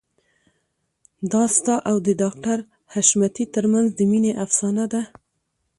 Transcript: دا ستا او د ډاکټر حشمتي ترمنځ د مينې افسانه ده